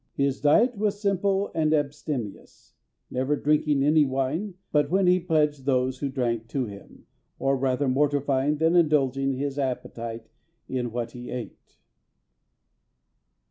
His diet was simple and abstemious, never drinking any wine but when he pledged those who drank to him, and rather mortifying than indulging his appetite in what he ate.